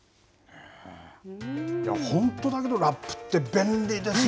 本当、だけど、ラップって便利ですね。